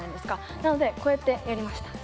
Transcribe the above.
なのでこうやってやりました。